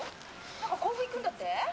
何か甲府行くんだって？」。